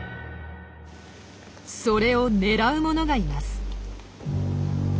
それを狙うものがいます。